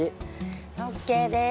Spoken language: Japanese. ＯＫです。